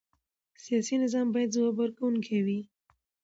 سیاسي نظام باید ځواب ورکوونکی وي